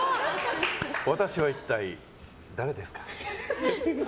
私は一体誰ですか？